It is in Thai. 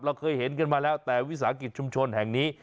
เราเคยเห็นกันมาแล้วแต่วิสาหกิจชุมชนแห่งนี้